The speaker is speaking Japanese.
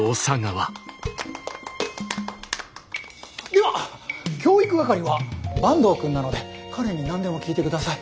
では教育係は坂東くんなので彼に何でも聞いて下さい。